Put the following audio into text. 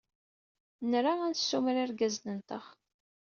Nra ad nessumar irgazen-nteɣ.